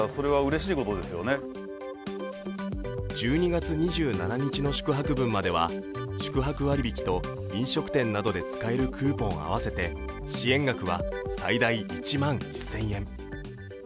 １２月２７日の宿泊分までは宿泊割引と飲食店などで使えるクーポンを合わせて支援額は最大１万１０００円。